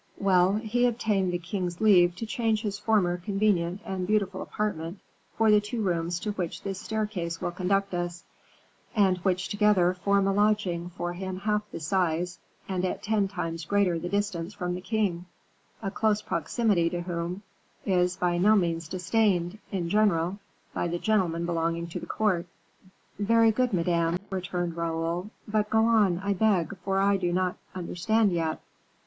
"Well, he obtained the king's leave to change his former convenient and beautiful apartment for the two rooms to which this staircase will conduct us, and which together form a lodging for him half the size, and at ten times greater the distance from the king, a close proximity to whom is by no means disdained, in general, by the gentlemen belonging to the court." "Very good, Madame," returned Raoul; "but go on, I beg, for I do not understand yet."